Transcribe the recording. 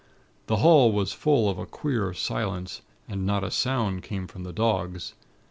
The hall was full of a queer silence, and not a sound came from the dogs.